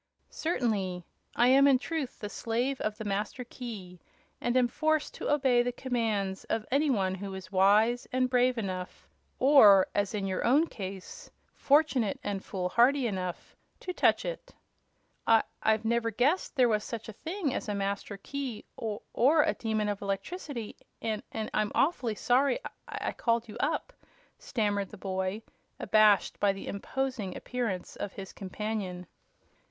"Certainly. I am, in truth, the Slave of the Master Key, and am forced to obey the commands of any one who is wise and brave enough or, as in your own case, fortunate and fool hardy enough to touch it." "I I've never guessed there was such a thing as a Master Key, or or a Demon of Electricity, and and I'm awfully sorry I I called you up!" stammered the boy, abashed by the imposing appearance of his companion.